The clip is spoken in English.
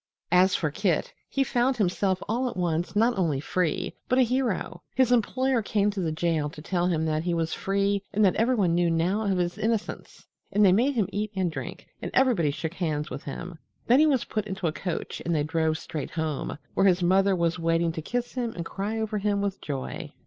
As for Kit, he found himself all at once not only free, but a hero. His employer came to the jail to tell him that he was free and that everyone knew now of his innocence, and they made him eat and drink, and everybody shook hands with him. Then he was put into a coach and they drove straight home, where his mother was waiting to kiss him and cry over him with joy.